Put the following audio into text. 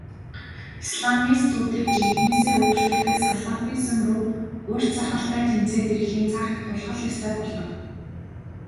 Исламистуудыг жинхэнээсээ өөгшүүлдэг салафизм руу урт сахалтай тэмцээд ирэхийн цагт тулах л ёстой болдог.